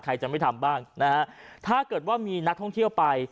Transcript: ใครจะไม่ทำบ้างนะฮะถ้าเกิดว่ามีนักท่องเที่ยวไป